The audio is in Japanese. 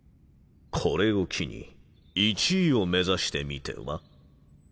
これを機に１位を目指してみては？